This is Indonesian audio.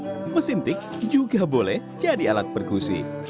tak ada drum mesin tik juga boleh jadi alat perkusi